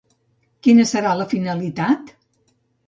Quina serà la finalitat?